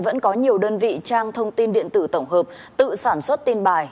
vẫn có nhiều đơn vị trang thông tin điện tử tổng hợp tự sản xuất tin bài